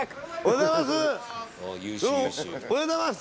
どうもおはようございます。